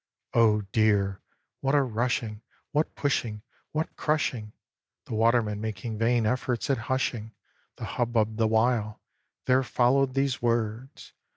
Oh, dear! what a rushing, what pushing, what crushing (The watermen making vain efforts at hushing The hubbub the while) there followed these words!